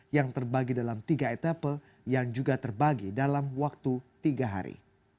yang terbagi dalam tiga etape yang juga terbagi dalam waktu tiga hari